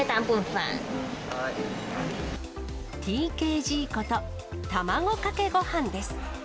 ＴＫＧこと卵かけごはんです。